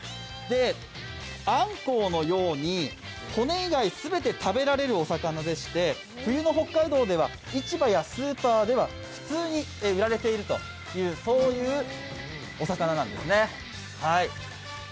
アンコウのように骨以外全て食べられるお魚でして冬の北海道では市場やスーパーでは普通に売られているというそういうお魚なんですね。